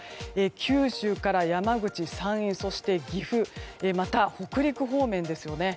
九州から山口、山陰そして岐阜また北陸方面ですよね。